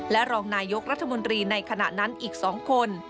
และรองนายกรัฐมนตรีในขณะนั้นอีก๒คน